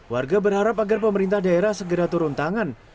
warga berharap agar pemerintah daerah segera turun tangan